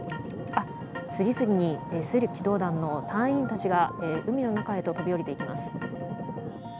あっ、次々に水陸機動団の隊員たちが、海の中へと飛び降りていきます。